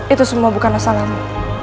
itu semua bukan masalahmu